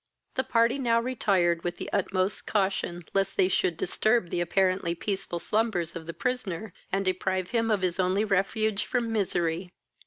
The party now retired with the utmost caution, lest they should disturb the apparently peaceful slumbers of the prisoner, and deprive him of his only refuge from misery.